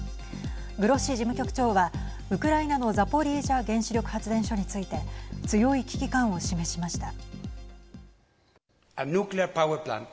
グロッシ事務局長はウクライナのザポリージャ原子力発電所について強い危機感を示しました。